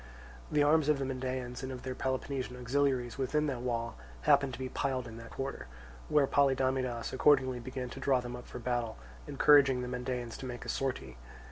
The arms of the Mendaeans and of their Peloponnesian auxiliaries within the wall happened to be piled in that quarter, where Polydamidas accordingly began to draw them up for battle, encouraging the Mendaeans to make a sortie.